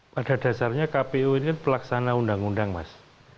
pada dasarnya kpu ini kan pelaksana undang undang mas